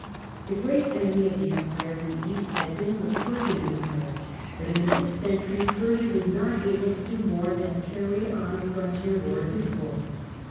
The great enemy of the Empire in the east had been the Persian Empire, but in the fifth century Persia was not able to do more than carry on a frontier war at intervals.